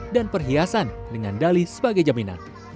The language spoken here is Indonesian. dan perhiasan dengan dali sebagai jaminan